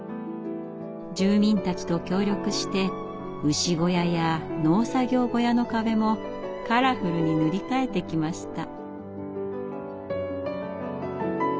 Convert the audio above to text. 住民たちと協力して牛小屋や農作業小屋の壁もカラフルに塗り替えてきました。